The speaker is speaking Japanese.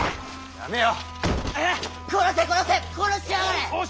やめよ！